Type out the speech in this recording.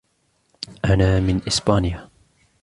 أنا من إسبانيا.